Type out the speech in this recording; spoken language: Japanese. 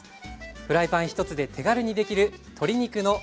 フライパン１つで手軽にできる鶏肉のビネガー煮。